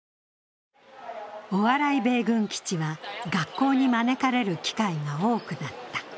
「お笑い米軍基地」は学校に招かれる機会が多くなった。